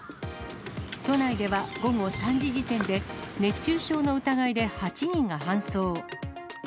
都内では午後３時時点で、熱中症の疑いで８人が搬送。